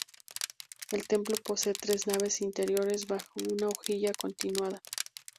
El templo posee tres naves interiores bajo una ojiva continuada.